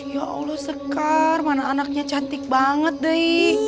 ya allah sekar mana anaknya cantik banget deh